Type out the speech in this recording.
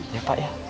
iya pak ya